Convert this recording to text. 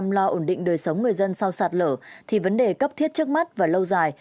tìm kiếm và chăm lo ổn định đời sống người dân sau sạt lở thì vấn đề cấp thiết trước mắt và lâu dài